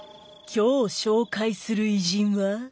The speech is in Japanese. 今日紹介する偉人は。